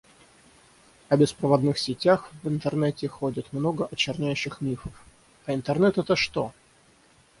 «О беспроводных сетях в интернете ходит много очерняющих мифов». — «А интернет это что?»